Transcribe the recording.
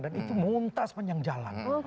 dan itu muntas panjang jalan